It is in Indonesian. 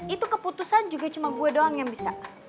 itu keputusan juga cuma gue doang yang bisa